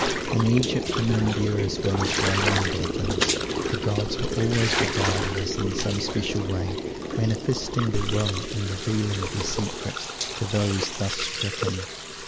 In Egypt and India, as well as in Rome and Athens, the gods were always regarded as in some especial way manifesting their will, and revealing their secrets, to those thus stricken.